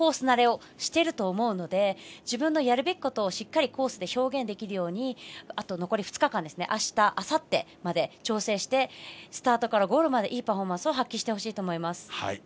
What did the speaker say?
慣れをしていると思うので自分のやるべきことをしっかりコースで表現できるよう残り２日間、あしたあさってまで調整してスタートからゴールまでいいパフォーマンスを発揮してほしいと思います。